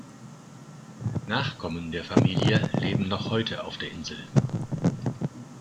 Nachkommen der Familie leben noch heute auf der Insel.